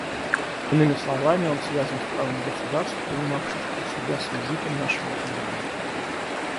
Иными словами, он связан с правом государств, принимавших у себя с визитом нашего президента.